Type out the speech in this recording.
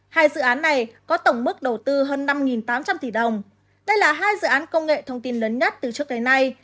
hai dự án này có tổng mức đầu tư hơn năm tám trăm linh tỷ đồng đây là hai dự án công nghệ thông tin lớn nhất từ trước tới nay